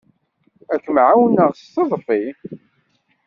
Ad kem-ɛawneɣ s teḍfi.